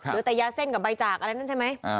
หรือแต่ยาเส้นกับใบจากอะไรนั่นใช่ไหม